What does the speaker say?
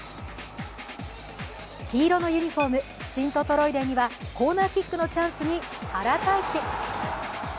黄色のユニフォーム、シント・トロイデンにはコーナーキックのチャンスに原大智。